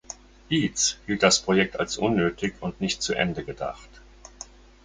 Eads hielt das Projekt als unnötig und nicht zu Ende gedacht.